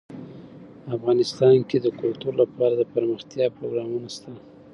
افغانستان کې د کلتور لپاره دپرمختیا پروګرامونه شته.